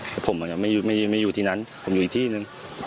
แต่ผมไม่อยู่ที่นั้นผมอยู่อีกที่หนึ่ง